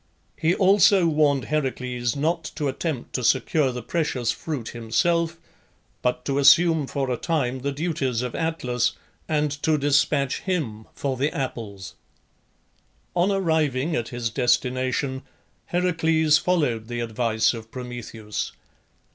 He also warned Heracles not to attempt to secure the precious fruit himself, but to assume for a time the duties of Atlas, and to despatch him for the apples. On arriving at his destination Heracles followed the advice of Prometheus.